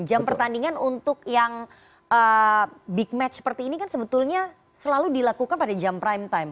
jam pertandingan untuk yang big match seperti ini kan sebetulnya selalu dilakukan pada jam prime time